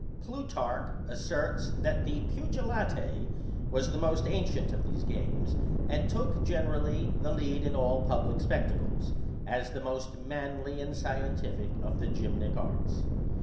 Plutarch asserts, that the Pugilate was the most ancient of those games, and took, generally, the Digitized by VjOOQIC BOXIANA ; OR, lead in all public spectacles, as the most manly and scientific of the gymnic arts.